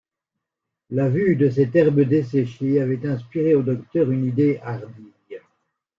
La vue de cette herbe desséchée avait inspiré au docteur une idée hardie.